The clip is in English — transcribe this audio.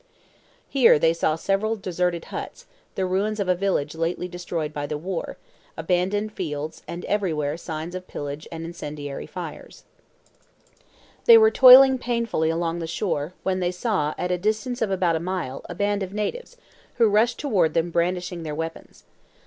Here they saw several deserted huts, the ruins of a village lately destroyed by the war, abandoned fields, and everywhere signs of pillage and incendiary fires. They were toiling painfully along the shore, when they saw, at a distance of about a mile, a band of natives, who rushed toward them brandishing their weapons.